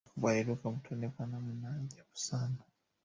Jacob aliruka mtoni kwa namna ya ajabu sana